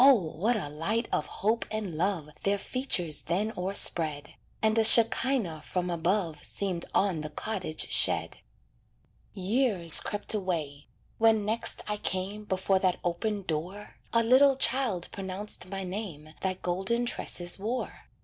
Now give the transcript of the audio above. what a light of hope and love Their features then o'erspread; And a shekinah from above Seemed on the cottage shed. Years crept away. When next I came Before that open door, A little child pronounced my name That golden tresses wore.